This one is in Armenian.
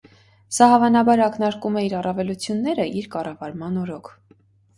Սա հավանաբար ակնարկում է իր առավելությունները իր կառավարման օրոք։